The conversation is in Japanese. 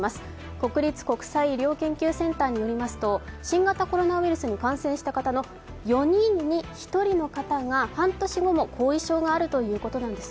国立国際医療研究センターによりますと、新型コロナウイルスに感染した方の４人に１人の方が半年後も後遺症があるということなんです。